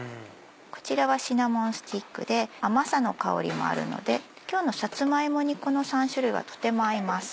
こちらはシナモンスティックで甘さの香りもあるので今日のさつま芋にこの３種類はとても合います。